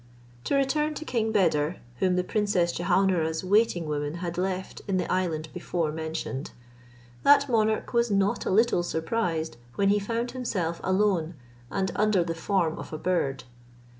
To return to King Beder, whom the Princess Jehaun ara's waiting woman had left in the island before mentioned; that monarch was not a little surprised when he found himself alone, and under the form of a bird.